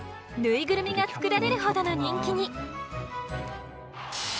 ぬいぐるみが作られるほどの人気に。